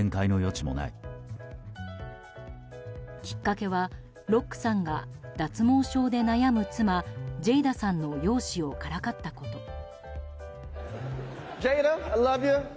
きっかけはロックさんが脱毛症で悩む妻ジェイダさんの容姿をからかったこと。